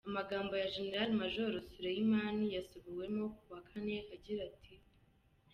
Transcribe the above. Amagambo ya Jenerali Majoro Soleimani yasubiwemo ku wa kane agira ati:.